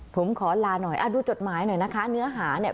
ผมขอลาหน่อยดูจดหมายหน่อยนะคะเนื้อหาเนี่ย